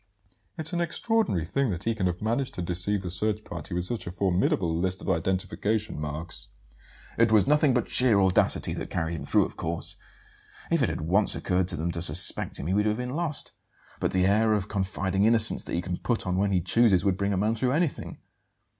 "It's an extraordinary thing that he can have managed to deceive the search party with such a formidable list of identification marks." "It was nothing but sheer audacity that carried him through, of course. If it had once occurred to them to suspect him he would have been lost. But the air of confiding innocence that he can put on when he chooses would bring a man through anything.